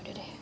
ya udah deh